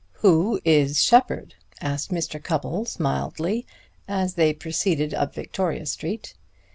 "Who is Sheppard?" asked Mr. Cupples mildly, as they proceeded up Victoria Street.